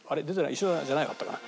一緒じゃなかったかな？